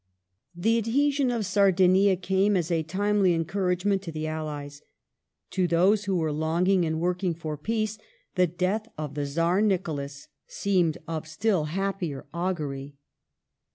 The adhesion of Sardinia came as a timely encouragement to Death of the allies. To those who were longing and working for peace the Nichoia^ death of the Czar Nicholas seemed of still happier augury.